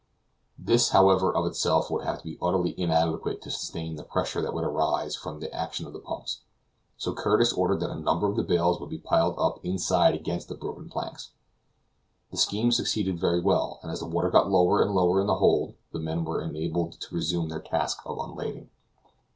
This, however, of itself would have been utterly inadequate to sustain the pressure that would arise from the action of the pumps; so Curtis ordered that a number of the bales should be piled up inside against the broken planks. The scheme succeeded very well, and as the water got lower and lower in the hold the men were enabled to resume their task of unlading.